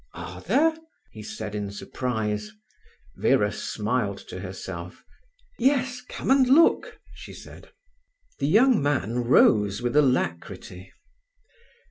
"Are there?" he said in surprise. Vera smiled to herself. "Yes, come and look," she said. The young man rose with alacrity.